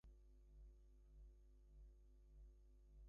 The district headquarters are located at Beed.